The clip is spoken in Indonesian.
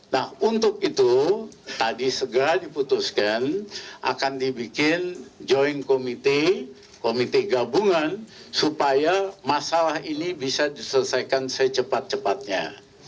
nah untuk itu tadi segera diputuskan akan dibikin joint komite komite gabungan supaya masalah ini bisa diselesaikan secepat cepatnya